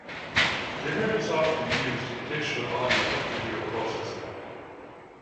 Dither is often used in digital audio and video processing.